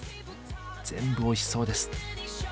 全部おいしそうです。